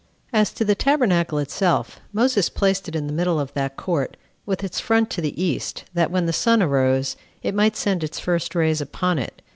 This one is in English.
3. As to the tabernacle itself, Moses placed it in the middle of that court, with its front to the east, that, when the sun arose, it might send its first rays upon it.